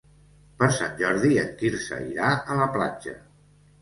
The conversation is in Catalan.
Per Sant Jordi en Quirze irà a la platja.